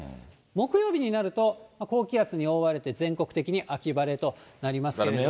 木曜日になると、高気圧に覆われて全国的に秋晴れとなりますけれども。